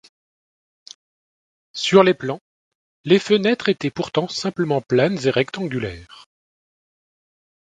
Sur les plans, les fenêtres étaient pourtant simplement planes et rectangulaires.